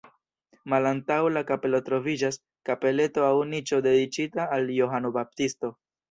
Malantaŭ la kapelo troviĝas kapeleto aŭ niĉo dediĉita al Johano Baptisto.